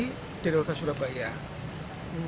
untuk mengembangkan kapal ini